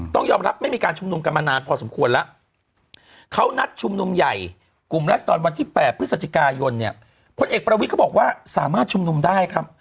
ต้องยอมรับไม่มีการชุมนุมกันมานานพอสมควรแล้วเขานัดชุมนุมใหญ่กลุ่มรัศดรวันที่๘พฤศจิกายนเนี่ยพลเอกประวิทย์ก็บอกว่าสามารถชุมนุมได้ครับ